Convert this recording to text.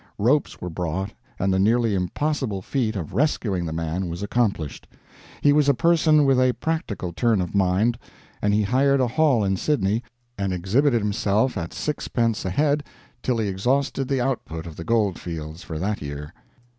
Ropes were brought and the nearly impossible feat of rescuing the man was accomplished. He was a person with a practical turn of mind, and he hired a hall in Sydney and exhibited himself at sixpence a head till he exhausted the output of the gold fields for that year.